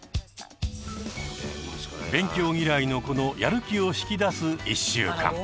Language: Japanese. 勉強嫌いの子のやる気を引き出す１週間。